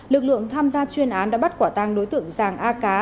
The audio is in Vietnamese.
lực lượng tham gia chuyên án đã bắt quả tăng đối tượng giàng a cá